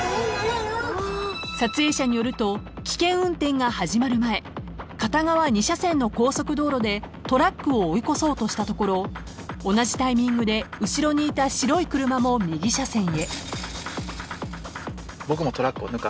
［危険運転が始まる前片側２車線の高速道路でトラックを追い越そうとしたところ同じタイミングで後ろにいた白い車も右車線へ］